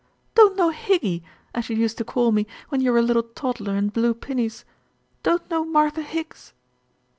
"Don't know Higgy, as you used to call me when you were a little toddler in blue pinnies. Don't know Martha Higgs!"